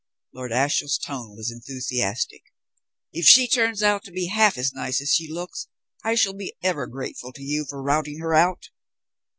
Lord Ashiel's tone was enthusiastic. "If she turns out to be half as nice as she looks, I shall be ever grateful to you for routing her out."